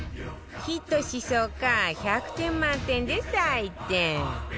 ヒットしそうか１００点満点で採点